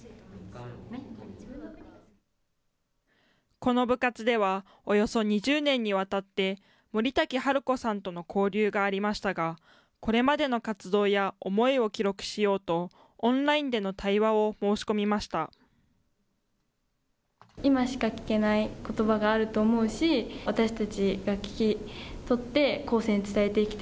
この部活では、およそ２０年にわたって、森瀧春子さんとの交流がありましたが、これまでの活動や思いを記録しようと、オンラインでの対話を申し込みました。